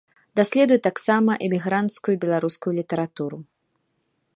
Даследуе таксама эмігранцкую беларускую літаратуру.